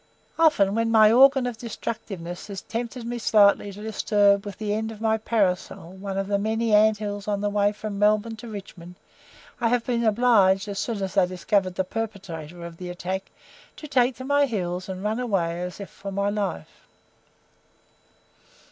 Often when my organ of destructiveness has tempted me slightly to disturb with the end of my parasol one of the many ant hills on the way from Melbourne to Richmond, I have been obliged, as soon as they discovered the perpetrator of the attack, to take to my heels and run away as if for my life.